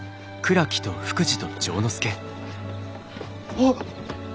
あっ！